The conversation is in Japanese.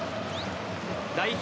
代表